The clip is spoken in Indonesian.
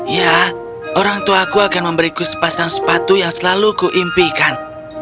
ya orangtuaku akan memberiku sepasang sepatu yang selalu kuimpikan